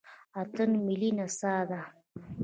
اتن ملي نڅا ده